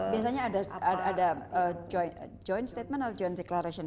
biasanya ada joint statement atau joint declaration